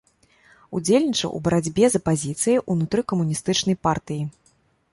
Удзельнічаў у барацьбе з апазіцыяй ўнутры камуністычнай партыі.